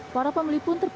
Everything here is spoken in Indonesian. para pembeli pun terpaksa